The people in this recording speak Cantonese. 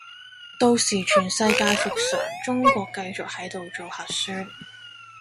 到時全世界復常，中國繼續喺度做核酸